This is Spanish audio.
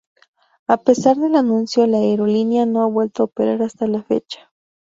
A pesar del anuncio la aerolínea no ha vuelto a operar hasta la fecha.